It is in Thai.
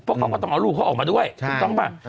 เพราะเขาก็ต้องเอาลูกเขาออกมาด้วยถูกต้องป่ะ